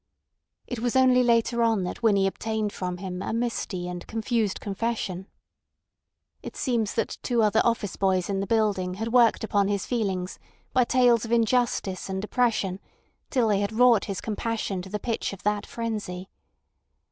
It was only later on that Winnie obtained from him a misty and confused confession. It seems that two other office boys in the building had worked upon his feelings by tales of injustice and oppression till they had wrought his compassion to the pitch of that frenzy.